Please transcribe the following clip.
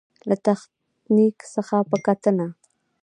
له تخنيک څخه په ګټنه.